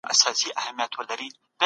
هیڅوک باید په ناحقه ونه ځورول سي.